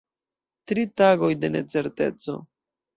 Tri tagoj de necerteco.